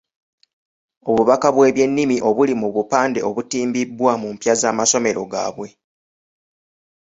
Obubaka bw’ebyennimi obuli mu bupande obutimbibwa mu mpya z’amasomero gaabwe.